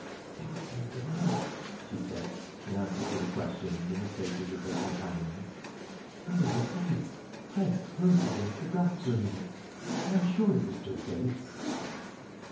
" There was somebody there," she said, in answer tc the questioning in the faces of her companions. " There was a face pressed close against the glass for a minute, and I am sure it was Jud Bates."